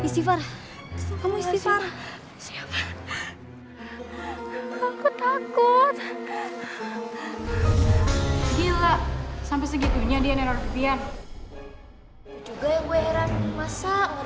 sampai jumpa di video selanjutnya